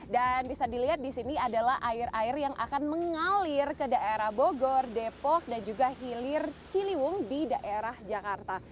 dan bisa dilihat di sini adalah air air yang akan mengalir ke daerah bogor depok dan juga hilir ciliwung di daerah jakarta